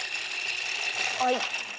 はい。